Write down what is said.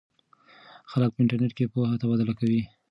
خلک په انټرنیټ کې پوهه تبادله کوي.